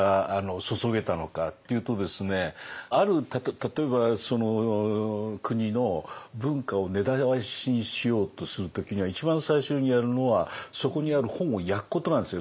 例えばその国の文化を根絶やしにしようとする時には一番最初にやるのはそこにある本を焼くことなんですよ。